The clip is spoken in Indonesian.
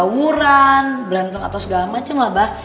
gawuran berantem atau segala macem lah abah